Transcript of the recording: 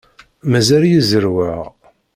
Mazal-iyi zerrweɣ.